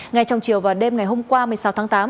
ngay trong chiều và đêm ngày hôm qua một mươi sáu tháng tám